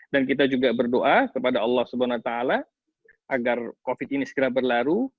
dan kita juga berdoa kepada allah swt agar covid ini segera berlaru